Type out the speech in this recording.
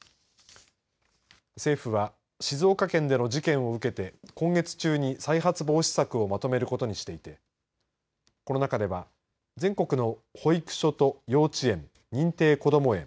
政府は、静岡県での事件を受けて今月中に再発防止策をまとめることにしていてこの中では全国の保育所と幼稚園認定こども園